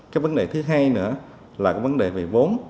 cái vấn đề thứ hai nữa là cái vấn đề về vốn